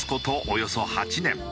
およそ８年。